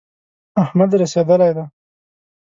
احمد رسېدلی دی.